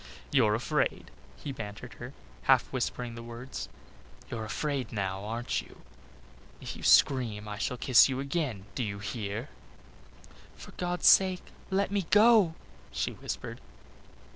"You're afraid!" he bantered her, half whispering the words, "you're afraid now, aren't you? If you scream I shall kiss you again, do you hear?" "For God's sake, let me go," she whispered.